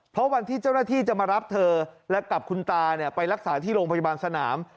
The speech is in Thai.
เพราะวันที่เจ้าหน้าที่จะมารับเธอและกับคุณตาไปรักษาที่โรงพยาบาลสนาม